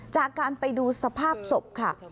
จากการไปดูสภาพศพค่ะ